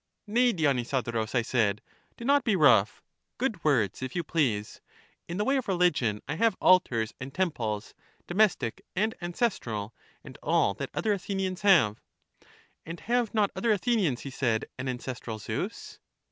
Nay, Dionysodorus, I said, do not be rough; good words, if you please; in the way of religion I have altars and temples, domestic and ancestral, and all that other Athenians have. And have not other Athenians, he said, an ancestral Zeus?